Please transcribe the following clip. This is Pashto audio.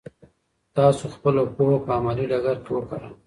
تاسو خپله پوهه په عملي ډګر کې وکاروئ.